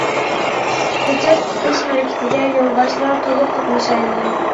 كۆچەت تىكىش ھەرىكىتىگە، يولداشلار، تولۇق قاتنىشايلى.